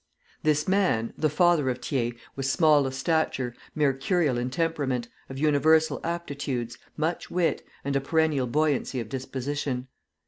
This man, the father of Thiers, was small of stature, mercurial in temperament, of universal aptitudes, much wit, and a perennial buoyancy of disposition.